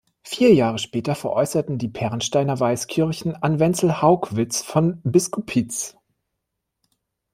Vier Jahre später veräußerten die Pernsteiner Weißkirchen an Wenzel Haugwitz von Biskupitz.